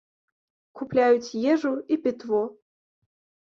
Купляюць ежу і пітво.